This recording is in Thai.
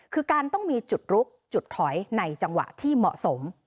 คือการต้องมีจุดลุกจุดถอยในจังหวะที่เหมาะสม